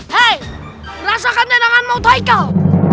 hei rasakannya dengan mot haikal